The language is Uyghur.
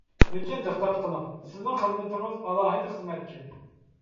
لېكىن دىققەت قىلىڭ سىزنىڭ خىزمىتىڭىز ئالاھىدە خىزمەتكەن.